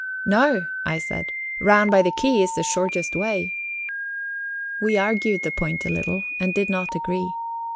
"No," I said. "Round by the quay is the shortest way." We argued the point a little, and did not agree.